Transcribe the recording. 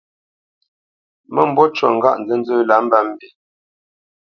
Mə́mbû ncu ŋgâʼ nzənzə́ lǎ mbə mbî.